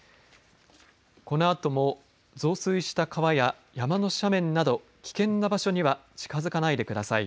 このあとも増水した川や山の斜面など危険な場所には近づかないでください。